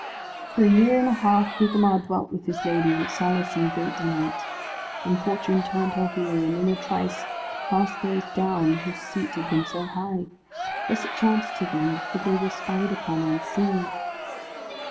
For a year and a half Gugemar dwelt with his lady, in solace and great delight. Then Fortune turned her wheel, and in a trice cast those down, whose seat had been so high. Thus it chanced to them, for they were spied upon and seen.